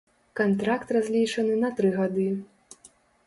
Кантракт разлічаны на тры гады.